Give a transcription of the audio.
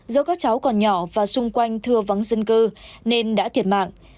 do các cháu còn nhỏ và xung quanh thưa vắng dân cư nên đã thiệt mạng